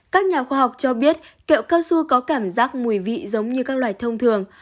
các nhà khoa học cho biết kẹo cao su có cảm giác mùi vị giống như các loài thông thường